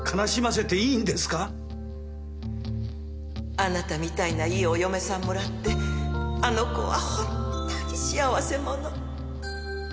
あなたみたいないいお嫁さんもらってあの子はほんっとに幸せ者。